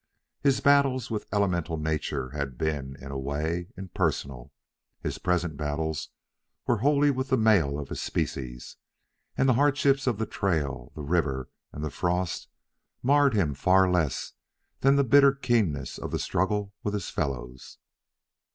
His battles with elemental nature had been, in a way, impersonal; his present battles were wholly with the males of his species, and the hardships of the trail, the river, and the frost marred him far less than the bitter keenness of the struggle with his fellows.